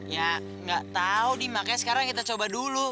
ya enggak tahu dee makanya sekarang kita coba dulu